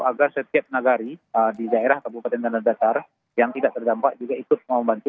agar setiap nagari di daerah kabupaten dana datar yang tidak terdampak juga ikut membantu